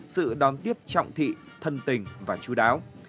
sự đón tiếp trọng thị thân tình và chú đáo